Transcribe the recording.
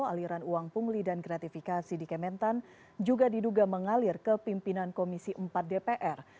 aliran uang pungli dan gratifikasi di kementan juga diduga mengalir ke pimpinan komisi empat dpr